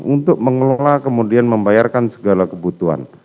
untuk mengelola kemudian membayarkan segala kebutuhan